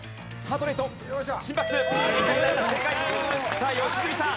さあ良純さん。